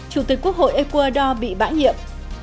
chủ tịch quốc hội ecuador bị bãi nghiệp